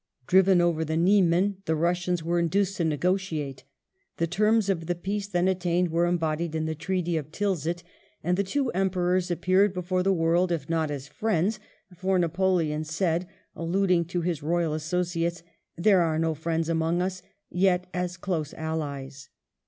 Driven over the Niemen the Bussians were induced to negotiate ; the terms of the peace then attained were embodied in the Treaty of Tilsit, and the two Emperors appeared before the world if not as friends — ^f or Napoleon said, alluding to his royal associates, "there are no friends among us" — ^yet as close allies.